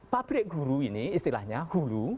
pabrik guru ini istilahnya hulu